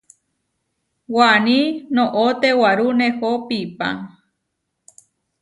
Waní noʼó tewarú nehó piʼpá.